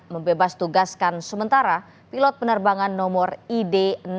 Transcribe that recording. membebas tugaskan sementara pilot penerbangan nomor id enam ribu tujuh ratus dua puluh tiga